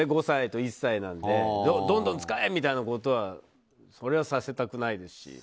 ５歳と１歳なのでどんどん使えみたいなことはさせたくないですし。